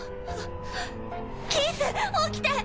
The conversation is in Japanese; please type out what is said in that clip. キース起きて！